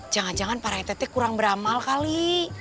jangan jangan paretete kurang beramal kali